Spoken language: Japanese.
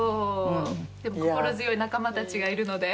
でも心強い仲間たちがいるので。